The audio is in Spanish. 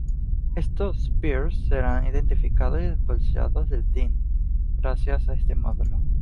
Estos "peers" serán identificados y expulsados del "team" gracias a este módulo.